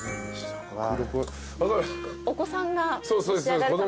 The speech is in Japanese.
お子さんが召し上がるため。